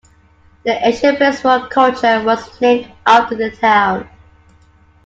The ancient Przeworsk culture was named after the town.